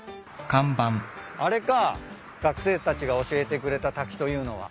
あれか学生たちが教えてくれた滝というのは。